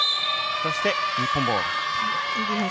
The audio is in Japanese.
そして日本ボール。